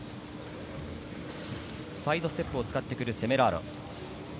サイドステップを使ってくるセメラーロ。